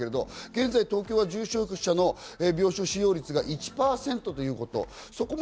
現在、東京は重症者の病床使用率が１％ということです。